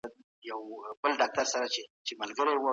هیوادونه د یو بل د کلتوري تنوع په اهمیت او ارزښت باندې ښه پوهیږي.